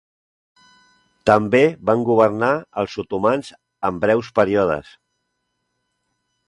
També van governar els Ottomans en breus períodes.